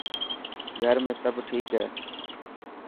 گھر ۾ سڀ ٺيڪ هي؟